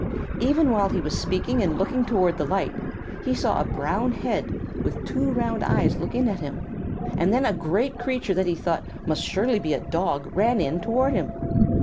Even while he was speaking and looking toward the light, he saw a brown head with two round eyes look in at him, and then a great creature that he thought must surely be a dog ran in toward him.